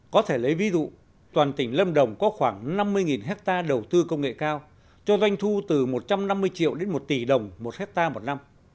có thể lấy ví dụ toàn tỉnh lâm đồng có khoảng năm mươi hectare đầu tư công nghệ cao cho doanh thu từ một trăm năm mươi triệu đến một tỷ đồng một hectare một năm